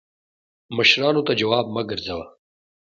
مشرانو ته جواب مه ګرځوه